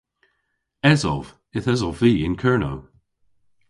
Esov. Yth esov vy yn Kernow.